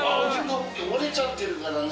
折れちゃってるからね。